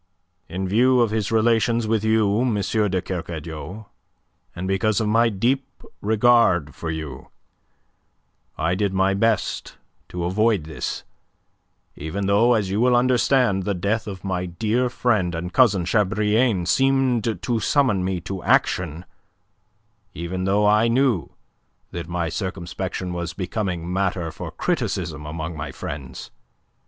"In view of his relations with you, M. de Kercadiou, and because of my deep regard for you, I did my best to avoid this, even though as you will understand the death of my dear friend and cousin Chabrillane seemed to summon me to action, even though I knew that my circumspection was becoming matter for criticism among my friends.